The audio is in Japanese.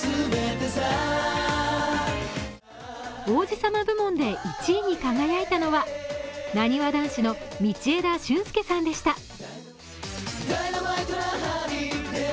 王子様部門で１位に輝いたのはなにわ男子の道枝駿佑さんでした。